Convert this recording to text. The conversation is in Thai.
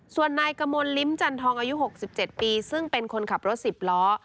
ส่วนนายกมลลิ้มจันทองอายุ๖๗ปีซึ่งเป็นคนขับรถ๑๐ล้อ